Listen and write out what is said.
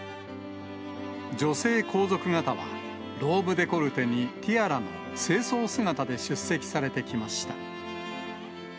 女性皇族方は、ローブデコルテにティアラの正装姿で出席されてきました。